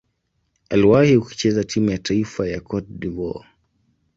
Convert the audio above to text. Aliwahi kucheza timu ya taifa ya Cote d'Ivoire.